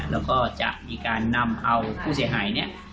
แล้วก็จะมีการนำเอาผู้เสียหายเนี่ย